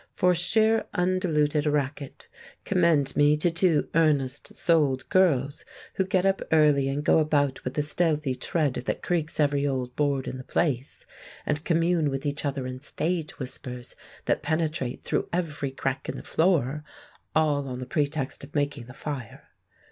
For sheer undiluted racket, commend me to two earnest souled girls, who get up early, and go about with a stealthy tread that creaks every old board in the place, and commune with each other in stage whispers that penetrate through every crack in the floor, all on the pretext of making the fire!